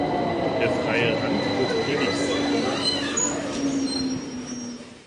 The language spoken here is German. Der freie Rand wird "Helix" genannt.